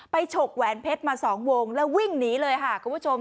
ฉกแหวนเพชรมา๒วงแล้ววิ่งหนีเลยค่ะคุณผู้ชม